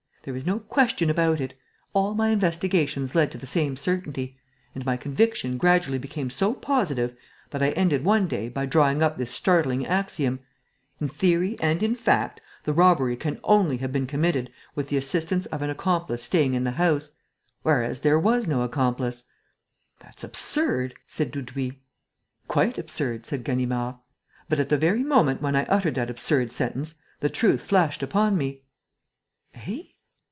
"There is no question about it. All my investigations led to the same certainty. And my conviction gradually became so positive that I ended, one day, by drawing up this startling axiom: in theory and in fact, the robbery can only have been committed with the assistance of an accomplice staying in the house. Whereas there was no accomplice!" "That's absurd," said Dudouis. "Quite absurd," said Ganimard. "But, at the very moment when I uttered that absurd sentence, the truth flashed upon me." "Eh?"